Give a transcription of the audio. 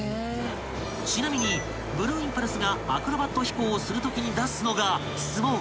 ［ちなみにブルーインパルスがアクロバット飛行をするときに出すのが］